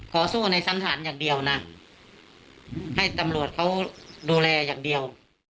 สู้ในชั้นศาลอย่างเดียวนะให้ตำรวจเขาดูแลอย่างเดียว